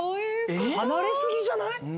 離れ過ぎじゃない？